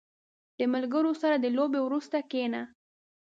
• د ملګرو سره د لوبې وروسته کښېنه.